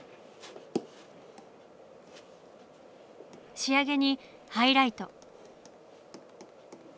仕上げにハイライト。